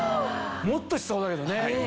もっとしそうだけどね。